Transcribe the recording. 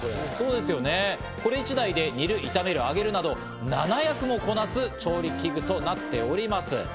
これ１台で煮る、炒める、揚げるなど７役もこなす調理器具となっております。